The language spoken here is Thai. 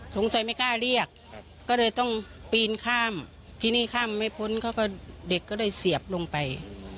สงสัยไม่กล้าเรียกก็เลยต้องปีนข้ามที่นี่ข้ามไม่พ้นเขาก็เด็กก็ได้เสียบลงไป